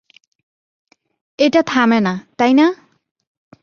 এটা থামেনা, তাই না?